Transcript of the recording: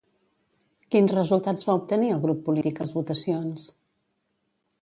Quins resultats va obtenir el grup polític a les votacions?